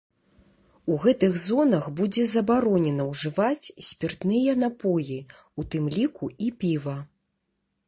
У гэтых зонах будзе забаронена ўжываць спіртныя напоі, у тым ліку і піва.